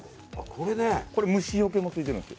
これ虫よけも付いてるんです。